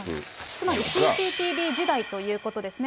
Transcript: つまりＣＣＴＶ時代ということですね。